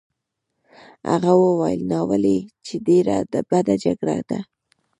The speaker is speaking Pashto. هغه وویل: ناولې! چې ډېره بده جګړه ده.